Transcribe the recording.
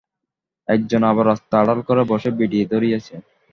এক জন আবার রাস্তা আড়াল করে বসে বিড়ি ধরিয়েছে।